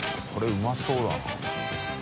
海うまそうだな。